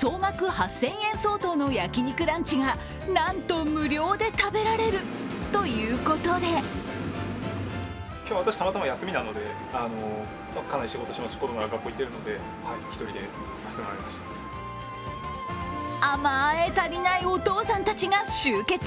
総額８０００円相当の焼き肉ランチがなんと無料で食べられるということで甘え足りないお父さんたちが集結。